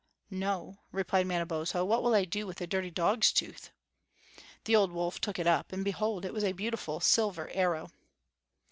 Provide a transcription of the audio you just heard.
"No," replied Manabozho; "what will I do with a dirty dog's tooth?" The old wolf took it up, and behold it was a beautiful silver arrow.